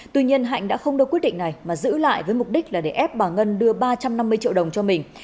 tuy nhiên hạnh đã không đưa quyết định này mà giữ lại với mục đích là để ép bà ngân đưa ba trăm năm mươi triệu đồng cho mình